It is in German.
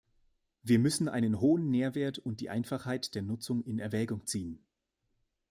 Wir müssen einen hohen Nährwert und die Einfachheit der Nutzung in Erwägung ziehen.